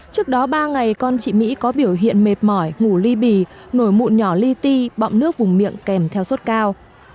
trước đó ba ngày con chị mỹ có biểu hiện mệt mỏi ngủ ly bì nổi mụn nhỏ lyti bọng nước vùng miệng kèm theo suốt cao